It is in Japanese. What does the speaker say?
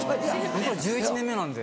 僕ら１１年目なんで。